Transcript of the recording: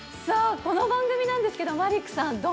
さあこの番組なんですけどマリックさん